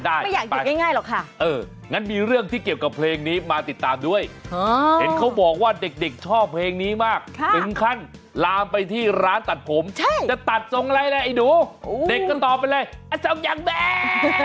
ได้ไปพักงั้นมีเรื่องที่เกี่ยวกับเพลงนี้มาติดตามด้วยเป็นคันลามไปที่ร้านตัดผมจะตัดทรงอะไรนะไอหนูเด็กก็ตอบไปเลยเอาทรงอย่างแบด